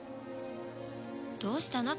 どうしたの？